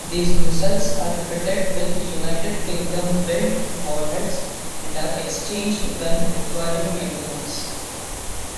These missiles are fitted with United Kingdom-built warheads and are exchanged when requiring maintenance.